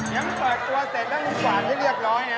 ยังปะป่อยตัวเสร็จนั่งกว่านไม่เรียกร้อยนะ